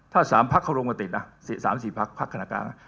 ถ้า๓พักเขาลงมาติด๓๔พักพักขณะการ